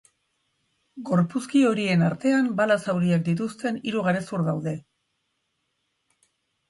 Gorpuzki horien artean, bala zauriak dituzten hiru garezur daude.